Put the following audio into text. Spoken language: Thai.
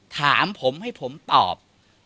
ถามผมให้ผมตอบ